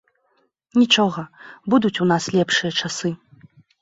Нічога, будуць у нас лепшыя часы.